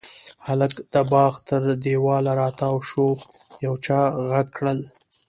هلک د باغ تر دېواله را تاو شو، يو چا غږ کړل: